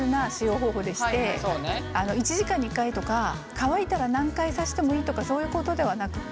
１時間に１回とか乾いたら何回さしてもいいとかそういうことではなくって。